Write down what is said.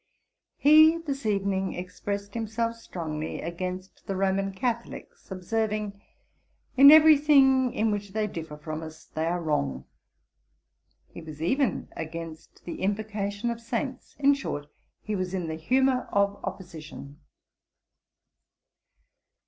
He this evening expressed himself strongly against the Roman Catholics; observing, 'In every thing in which they differ from us they are wrong.' He was even against the invocation of saints; in short, he was in the humour of opposition.